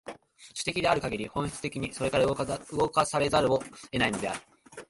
種的であるかぎり、本質的にそれから動かされざるを得ないのである。